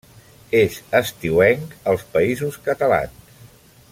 És estiuenc als Països Catalans.